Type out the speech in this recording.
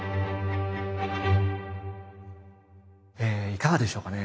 いかがでしょうかね？